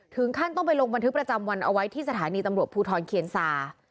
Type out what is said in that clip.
ถึงขั้นต้องไปลงบันทึกประจำวันเอาไว้ที่สถานีตำรวจภูทรเคียนซา